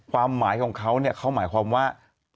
ความหมายของเขาเนี่ยเขาหมายความว่า